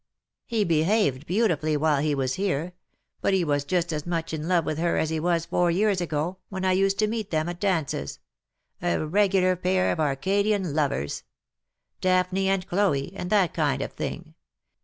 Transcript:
He behaved beautifully while he was here ; but he was just as much in love with her as he was four years ago, when I used to meet them at dances — a regular pair of Arcadian lovers ; Daphne and Chloe, and that kind of thing.